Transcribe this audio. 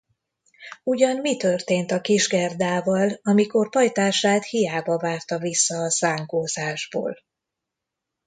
Ugyan mi történt a kis Gerdával, amikor pajtását hiába várta vissza a szánkózásból?